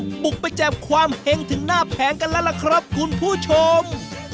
บุกไปจับความเห็งถึงหน้าแผงกันแล้วล่ะครับคุณผู้ชม